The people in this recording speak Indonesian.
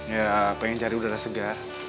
ya pengen cari udara segar